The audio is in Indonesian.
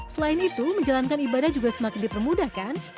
selain itu menjalankan ibadah juga semakin dipermudahkan